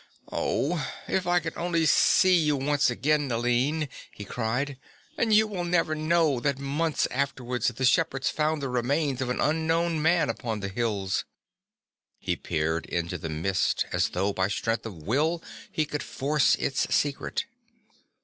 "Oh, if I could only see you once again, Aline," he cried, "and you will never know that months afterwards the shepherds found the remains of an unknown man upon the hills." He peered into the mist as though by strength of will he would force its secret.